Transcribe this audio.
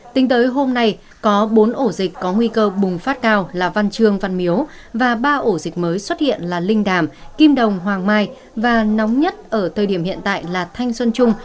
tính tới hôm nay có bốn ổ dịch có nguy cơ bùng phát cao là văn trương văn miếu và ba ổ dịch mới xuất hiện là linh đàm kim đồng hoàng mai và nóng nhất ở thời điểm hiện tại là thanh xuân trung